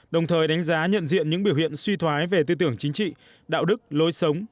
đồng thời đánh giá nhận diện những biểu hiện suy thoái về tư tưởng chính trị đạo đức lối sống